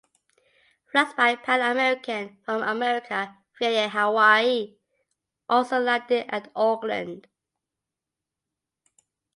Flights by Pan American from America via Hawaii also landed at Auckland.